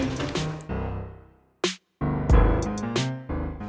putri usus goreng